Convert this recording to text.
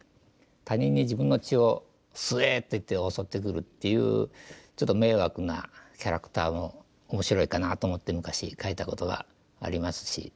他人に自分の血を「吸え」って言って襲ってくるっていうちょっと迷惑なキャラクターも面白いかなと思って昔描いたことがありますし。